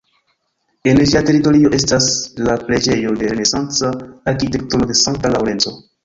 En ĝia teritorio estas la preĝejo de renesanca arkitekturo de sankta Laŭrenco.